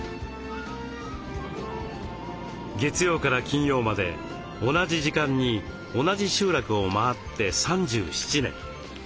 月曜から金曜まで同じ時間に同じ集落を回って３７年。